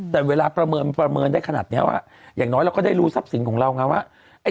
แต่เวลาประเมินได้ขนาดนี้ว่าอย่างน้อยเราก็ได้รู้ทรัพย์สินของเราไงว่า